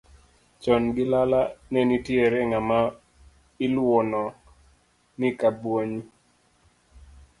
Chon gi lala ne nitiere ng'ama iluono ni Kabonyi.